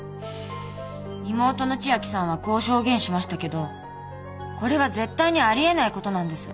妹の千晶さんはこう証言しましたけどこれは絶対にありえないことなんです。